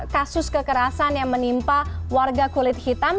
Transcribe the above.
kasus kekerasan yang menimpa warga kulit hitam